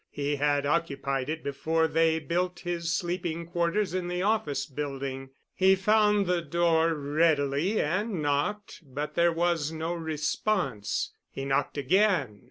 He had occupied it before they built his sleeping quarters in the office building. He found the door readily and knocked, but there was no response. He knocked again.